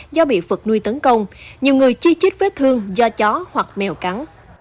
do bị vật nuôi tấn công nhiều người chi chích vết thương do chó hoặc mèo cắn